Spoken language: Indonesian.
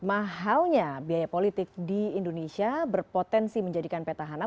mahalnya biaya politik di indonesia berpotensi menjadikan peta hana